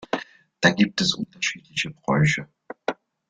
Da gibt es unterschiedliche Bräuche.